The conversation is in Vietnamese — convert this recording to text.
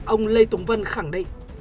ông lê tùng vân khẳng định